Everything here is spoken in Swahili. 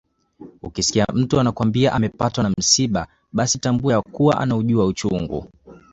Ukisikia mtu anakwambia amepatwa na msiba basi tambua ya kuwa anaujua uchungu